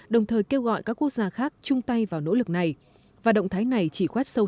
đồng thời kêu gọi các quốc gia khác chung tay vào nỗ lực này và động thái này chỉ khoét sâu